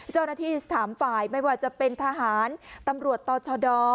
เจ้าหน้าที่๓ฝ่ายไม่ว่าจะเป็นทหารตำรวจต่อชด